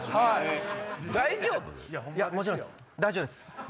大丈夫です。